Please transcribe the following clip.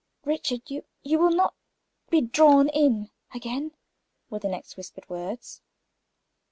"Richard, you you will not be drawn in again?" were the next whispered words.